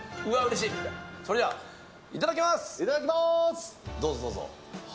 それじゃあ、いただきます。